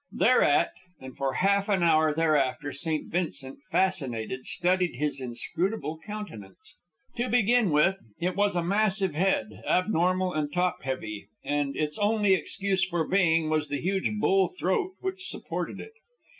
Thereat, and for half an hour thereafter, St. Vincent, fascinated, studied his inscrutable countenance. To begin with, it was a massive head, abnormal and top heavy, and its only excuse for being was the huge bull throat which supported it.